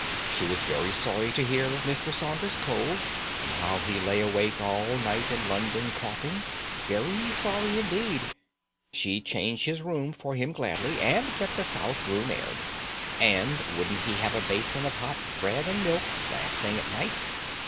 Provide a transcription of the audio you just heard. She was very sorry to hear of Mr. Saunders's cold, and how he lay awake all night in London coughing; very sorry indeed. She'd change his room for him gladly, and get the south room aired. And wouldn't he have a basin of hot bread and milk last thing at night?